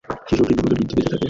শিশুটি দ্রুত বৃদ্ধি পেতে থাকে।